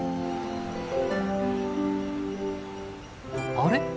あれ？